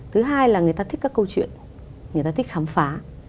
thứ hai là người ta thích các câu chuyện người ta thích khám phá